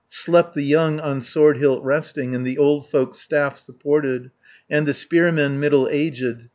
Slept the young on sword hilt resting, And the old folks staff supported, And the spear men middle aged.